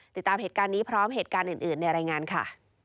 ติดตามเหตุการณ์นี้พร้อมเหตุการณ์อื่นในรายงานค่ะ